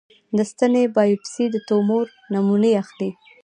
د ستنې بایوپسي د تومور نمونې اخلي.